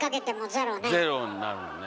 ０になるもんね。